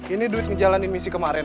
ini duit ngejalanin misi kemarin